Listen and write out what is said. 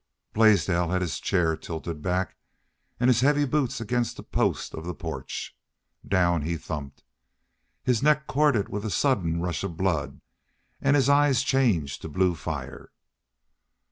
Blaisdell had his chair tilted back and his heavy boots against a post of the porch. Down he thumped. His neck corded with a sudden rush of blood and his eyes changed to blue fire.